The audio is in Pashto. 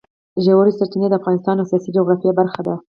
ژورې سرچینې د افغانستان د سیاسي جغرافیه برخه ده.